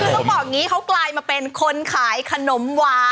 คือต้องบอกอย่างนี้เขากลายมาเป็นคนขายขนมหวาน